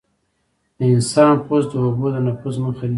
د انسان پوست د اوبو د نفوذ مخه نیسي.